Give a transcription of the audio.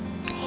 aduh untung ya